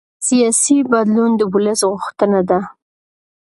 سیاسي بدلون د ولس غوښتنه ده